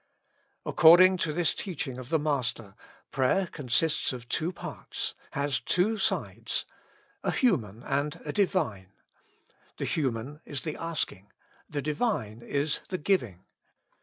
According to this teaching of the Master, prayer consists of two parts, has two sides, a human and a Divine. The human is the asking, the Divine is the giving.